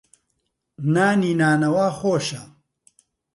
نانی نانەوا خۆشە.